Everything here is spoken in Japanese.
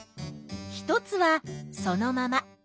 一つはそのまま。